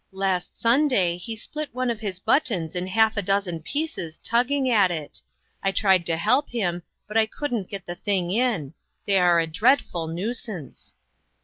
Last Sun day he split one of his buttons in half a dozen pieces tugging at it. I tried to help him, but I couldn't get the thing in ; they are a dreadful nuisance."